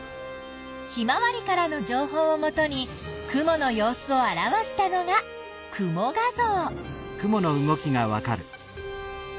ひまわりからの情報をもとに雲の様子を表したのが雲画像。